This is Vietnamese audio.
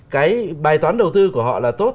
cái bài toán đầu tư của họ là tốt